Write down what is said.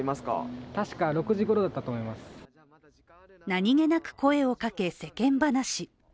何気なく声をかけ、世間話。